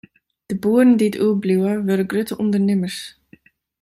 De boeren dy't oerbliuwe, wurde grutte ûndernimmers.